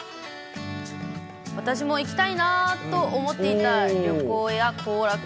私も行きたいなぁと思っていた旅行や行楽。